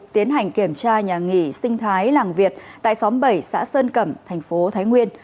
tiến hành kiểm tra nhà nghỉ sinh thái làng việt tại xóm bảy xã sơn cẩm thành phố thái nguyên